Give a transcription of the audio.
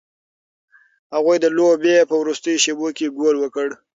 هغوی د لوبې په وروستیو شیبو کې ګول وکړ.